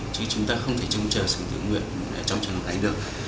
chứ chúng ta không thể trông chờ sự tự nguyện trong trường hợp này được